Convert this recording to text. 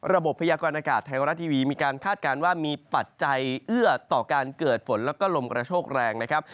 พยากรณากาศไทยรัฐทีวีมีการคาดการณ์ว่ามีปัจจัยเอื้อต่อการเกิดฝนแล้วก็ลมกระโชคแรงนะครับ